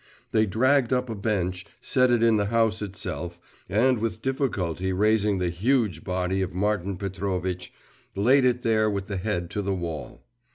They dragged up a bench, set it in the house itself, and with difficulty raising the huge body of Martin Petrovitch, laid it there with the head to the wall.